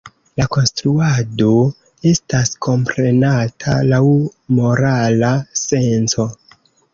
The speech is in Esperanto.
La konstruado estas komprenata laŭ morala senco.